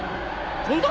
飛んだ？